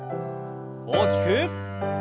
大きく。